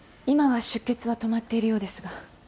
今は出血は止まっているようですが。